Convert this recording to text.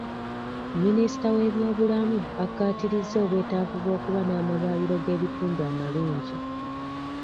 Minisita w'ebyobulamu akkaatirizza obwetaavu bw'okuba n'amalwaliro g'ebitundu amalungi.